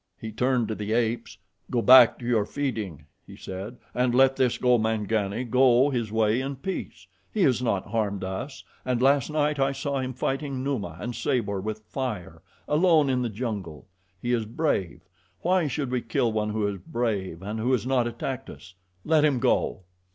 He turned to the apes. "Go back to your feeding," he said, "and let this Gomangani go his way in peace. He has not harmed us, and last night I saw him fighting Numa and Sabor with fire, alone in the jungle. He is brave. Why should we kill one who is brave and who has not attacked us? Let him go."